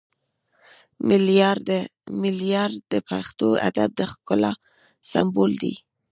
ملیار د پښتو ادب د ښکلا سمبول دی